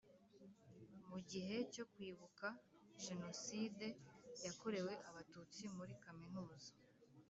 Mu gihe cyo Kwibuka Jenoside yakorewe Abatutsi muri kaminuza